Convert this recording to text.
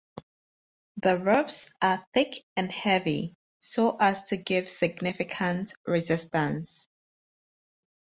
The ropes are thick and heavy so as to give significant resistance.